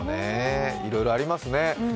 いろいろありますね。